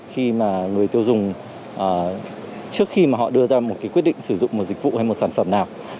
khi mà người tiêu dùng trước khi mà họ đưa ra một cái quyết định sử dụng một dịch vụ hay một sản phẩm nào